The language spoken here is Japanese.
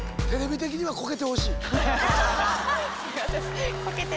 テレビ的にはコケてほしい。